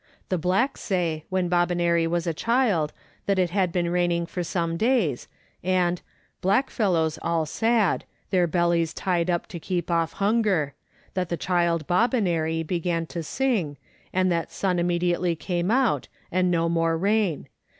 The blacks say, when Bobbinary was a child that it had been raining for some days, and " blackfellows all sad, their bellies tied up to keep off hunger ; that the child Bobbinary began to sing, and that sun immediately came out, and no more rain.